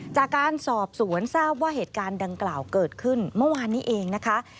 จากการสอบสวนทราบว่าเหตุการณ์ดังกล่าวเกิดขึ้นเมื่อวานนี้เองนะคะ